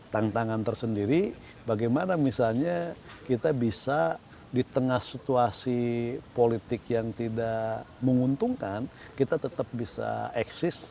tantangan tersendiri bagaimana misalnya kita bisa di tengah situasi politik yang tidak menguntungkan kita tetap bisa eksis